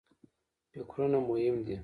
فکرونه مهم دي.